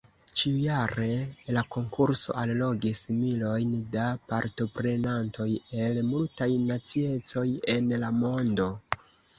Ĉiujare la konkurso allogis milojn da partoprenantoj el multaj naciecoj en la mondo.